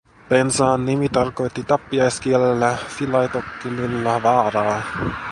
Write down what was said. Pensaan nimi tarkoitti tappiaiskielellä, filaitokkililla, vaaraa.